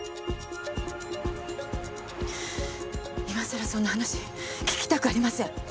今さらそんな話聞きたくありません。